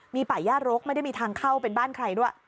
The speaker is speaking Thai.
มีป่าย่ารกไม่ได้มีทางเข้าเป็นบ้านใครด้วย